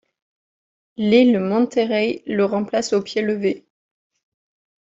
Lyle Monterrey le remplace au pied levé.